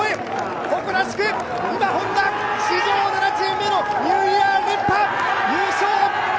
誇らしく、今、Ｈｏｎｄａ、史上７チーム目のニューイヤー駅伝連覇、優勝！